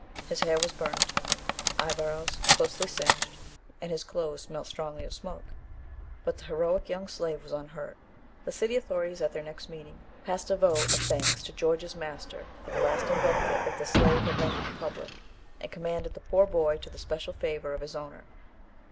His hair was burnt, eyebrows closely singed, and his clothes smelt strongly of smoke; but the heroic young slave was unhurt. The city authorities, at their next meeting, passed a vote of thanks to George's master for the lasting benefit that the slave had rendered the public, and commanded the poor boy to the special favour of his owner.